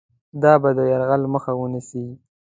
دا به د یرغل مخه ونیسي.